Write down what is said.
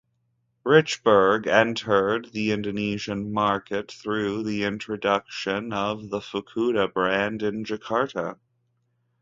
Richburg entered the Indonesian market through the introduction of the Fukuda brand in Jakarta.